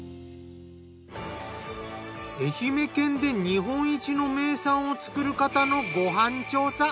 愛媛県で日本一の名産を作る方のご飯調査。